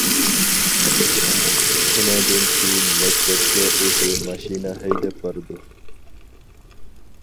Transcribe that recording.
شۇنىڭدىن كېيىن مەكتەپكە ئۆزى ماشىنا ھەيدەپ بارىدۇ.